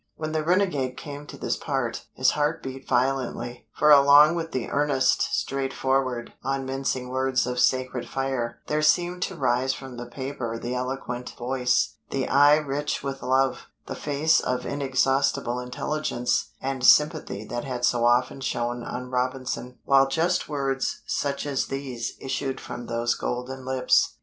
When the renegade came to this part, his heart beat violently; for along with the earnest, straightforward, unmincing words of sacred fire there seemed to rise from the paper the eloquent voice, the eye rich with love, the face of inexhaustible intelligence and sympathy that had so often shone on Robinson, while just words such as these issued from those golden lips.